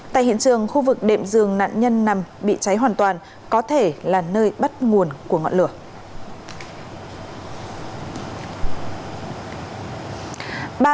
tại hiện trường khu vực đệm dường nạn nhân nằm bị cháy hoàn toàn có thể là nơi bắt nguồn của ngọn lửa